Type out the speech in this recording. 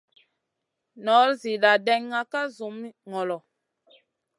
Nor zina ɗènŋa ka zumi ŋolo.